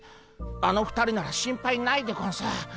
あの２人なら心配ないでゴンス。